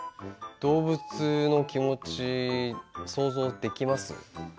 動物の気持ち想像できます？